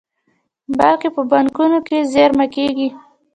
بلکې په بانکونو کې زېرمه کیږي.